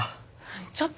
ちょっと！